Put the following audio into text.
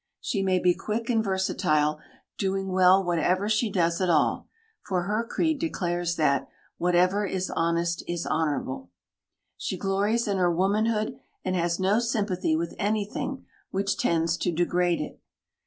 She may be quick and versatile, doing well whatever she does at all, for her creed declares that "whatever is honest is honourable." She glories in her womanhood and has no sympathy with anything which tends to degrade it.